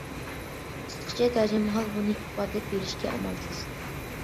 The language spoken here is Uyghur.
قىسقىچە تەرجىمىھال بۇنى ئىپادىلەپ بېرىشكە ئامالسىز.